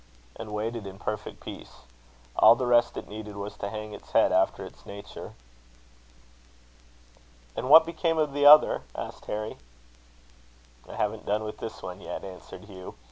and waited in perfect peace. All the rest it needed was to hang its head after its nature." "And what became of the other?" asked Harry. "I haven't done with this one yet," answered Hugh.